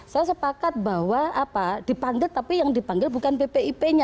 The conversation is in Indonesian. saya sepakat bahwa apa dipanggil tapi yang dipanggil bukan bpipnya